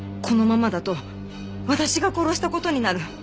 このままだと私が殺した事になる。